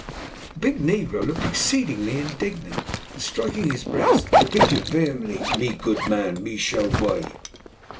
The big negro looked exceedingly indignant, and, striking his breast, repeated vehemently "Me good man me show way."